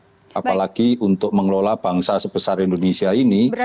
apalagi untuk mengelola bangsa sebesar indonesia ini